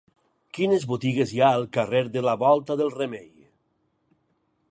Quines botigues hi ha al carrer de la Volta del Remei?